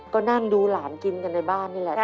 ก็นั่งดูหลานกินกันในบ้านนี่แหละ